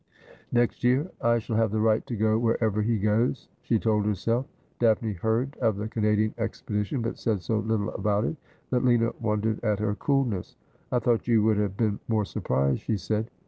' Next year I shall have the right to go wherever he goes,' she told herself. Daphne heard of the Canadian expedition, but said so little about it that Lina wondered at her coolness. ' I thought you would have been more surprised,' she said.